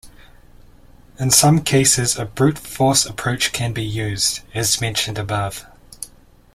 In some cases a brute force approach can be used, as mentioned above.